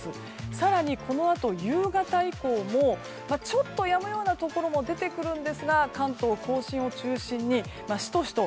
更にこのあと夕方以降もちょっとやむようなところも出てくるんですが関東・甲信を中心にシトシト